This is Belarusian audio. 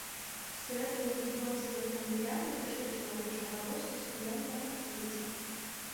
Срэбныя і бронзавыя кандэлябры вышэй чалавечага росту стаялі на паркеце.